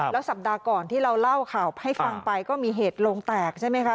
แล้วสัปดาห์ก่อนที่เราเล่าข่าวให้ฟังไปก็มีเหตุโรงแตกใช่ไหมคะ